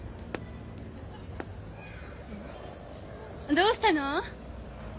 どうしたの？